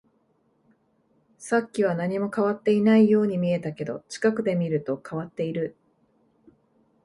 さっきは何も変わっていないように見えたけど、近くで見ると変わっている